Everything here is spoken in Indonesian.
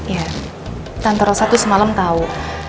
ya tante rosa tuh semalam tau